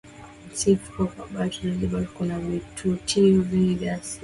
Si fukwe tu bali Zanzibar kuna vivutio vingi vya asili